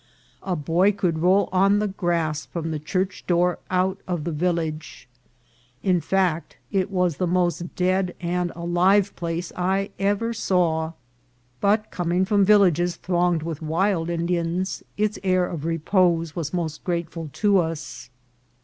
A boy could roll on the grass from the church door out of the village. In fact, it was the most dead and alive place I ever saw • but, coming from villages thronged with wild Indians, its air of repose was most grateful to us.